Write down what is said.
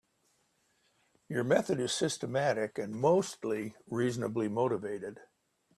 Your method is systematic and mostly reasonably motivated.